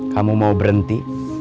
kamu mau berhenti